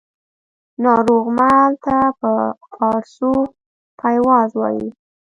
ناروغمل ته په پاړسو پایواز وايي